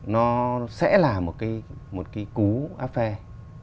nó sẽ là một cái cú affair